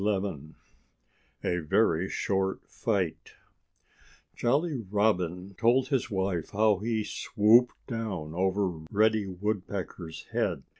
*XI* *A VERY SHORT FIGHT* Jolly Robin told his wife how he swooped down over Reddy Woodpecker's head.